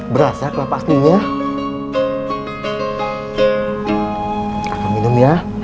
berasa kelapa aslinya